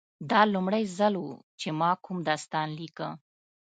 دا لومړی ځل و چې ما کوم داستان لیکه